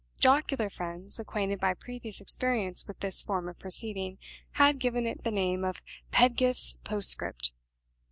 Jocular friends, acquainted by previous experience with this form of proceeding, had given it the name of "Pedgift's postscript."